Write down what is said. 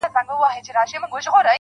ملنگ خو دي وڅنگ ته پرېږده.